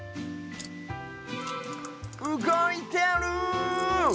うごいてる！